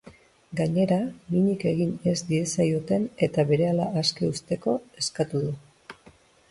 Gainera, minik egin ez diezaioten eta berehala aske uzteko eskatu du.